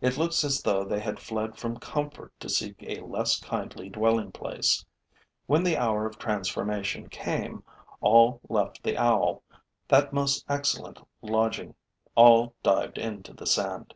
It looks as though they had fled from comfort to seek a less kindly dwelling place. When the hour of transformation came, all left the owl, that most excellent lodging; all dived into the sand.